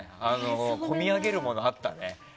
こみ上げるものがあったね。